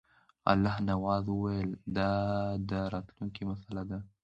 الله نواز وویل دا د راتلونکي مسله ده.